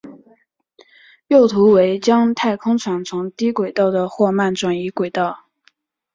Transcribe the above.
右图为将太空船从低轨道的霍曼转移轨道。